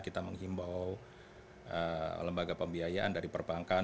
kita menghimbau lembaga pembiayaan dari perbankan